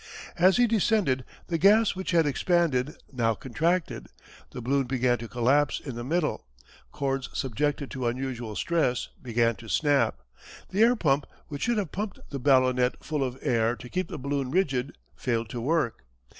As he descended, the gas which had expanded now contracted. The balloon began to collapse in the middle. Cords subjected to unusual stress began to snap. The air pump, which should have pumped the ballonet full of air to keep the balloon rigid failed to work.